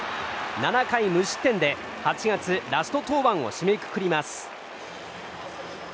７回無失点で８月ラスト登板を締めくくります。